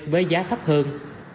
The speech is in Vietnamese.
với giá thấp hơn